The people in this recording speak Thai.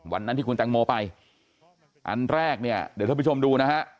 วันนั้นที่คุณแตงโมไปอันแรกเนี่ยเดี๋ยวท่านผู้ชมดูนะฮะ